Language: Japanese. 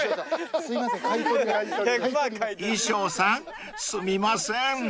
［衣装さんすみません］